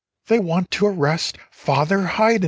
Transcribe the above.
They want to arrest Father Haydn!"